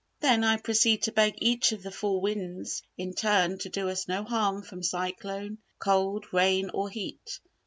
"Then I proceed to beg each of the Four Winds in turn to do us no harm from cyclone, cold, rain or heat.